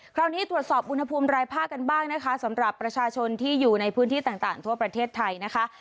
คราวนี้ตรวจสอบอุณหภูมิรายภาคกันบ้างนะคะสำหรับประชาชนที่อยู่ในพื้นที่ต่างทั่วประเทศไทยนะคะ